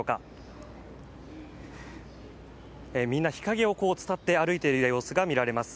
みんな、日陰を伝って歩いている様子が見られます。